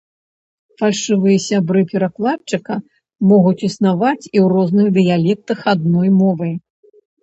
Фальшывыя сябры перакладчыка могуць існаваць і ў розных дыялектах адной мовы.